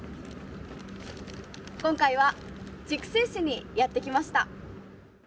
今回は筑西市にやってきました。